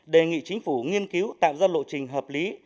đề nghị chính phủ nghiên cứu tạo ra lộ trình hợp lý